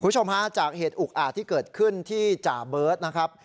คุณผู้ชมฮะจากเหตุอุกอาจที่เกิดขึ้นที่จ่าเบิร์ตนะครับ